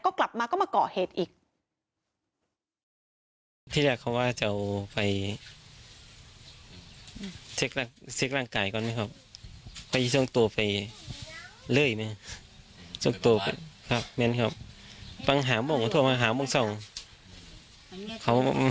ก็กลับมาก็มาเกาะเหตุอีก